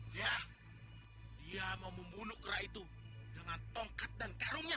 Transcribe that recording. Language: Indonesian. ya dia mau membunuh kera itu dengan tongkat dan karungnya